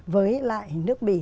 với lại nước bỉ